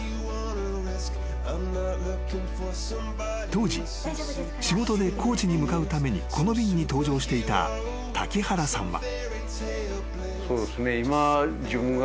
［当時仕事で高知に向かうためにこの便に搭乗していた瀧原さんは］